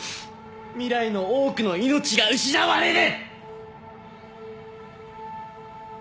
未来の多くの命が失われる！